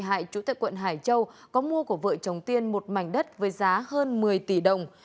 hồ thủy tiên chủ tịch quận hải châu có mua của vợ chồng tiên một mảnh đất với giá hơn một mươi tỷ đồng